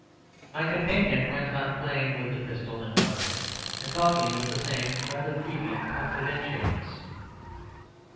My companion went on playing with the pistol in front of him, and talking with the same rather creepy confidentialness.